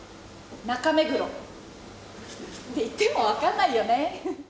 中目黒って言っても分からないよね。